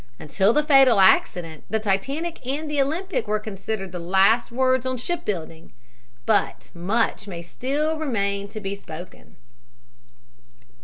Until the fatal accident the Titanic and Olympic were considered the last words on ship building; but much may still remain to be spoken.